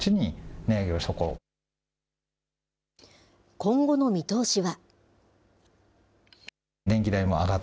今後の見通しは。